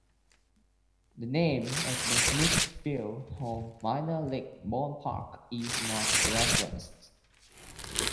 The name of the Smithfield home minor league ballpark is not referenced.